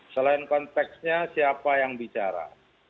selain konteksnya siapa yang bicara